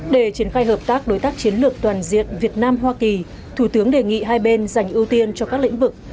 để triển khai hợp tác đối tác chiến lược toàn diện việt nam hoa kỳ thủ tướng đề nghị hai bên dành ưu tiên cho các lĩnh vực